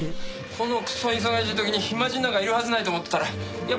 このクソ忙しい時に暇人なんかいるはずないと思ってたらやっぱ暇か？